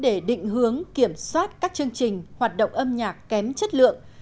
trong vấn đề định hướng kiểm soát các chương trình hoạt động âm nhạc kém chất lượng